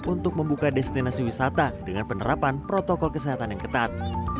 untuk membuka destinasi wisata dengan penerapan protokol kesehatan yang ketat